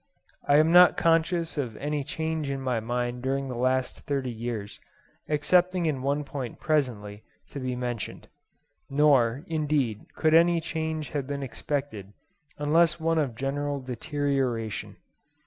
I am not conscious of any change in my mind during the last thirty years, excepting in one point presently to be mentioned; nor, indeed, could any change have been expected unless one of general deterioration.